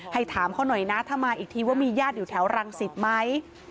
ถามเขาหน่อยนะถ้ามาอีกทีว่ามีญาติอยู่แถวรังสิตไหม